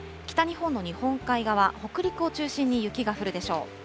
北日本の日本海側、北陸を中心に雪が降るでしょう。